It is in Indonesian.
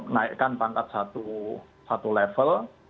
naikkan pangkat satu level